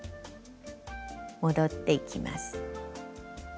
戻っていきます。